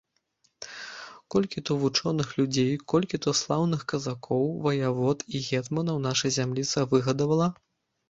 Колькі то вучоных людзей, колькі то слаўных казакоў, ваявод і гетманаў наша зямліца выгадавала?